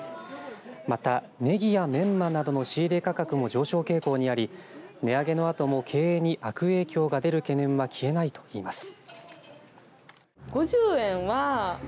また、ネギやメンマの仕入れ価格も上昇傾向にあり値上げのあとも経営に悪影響が出る懸念は消えないといいます。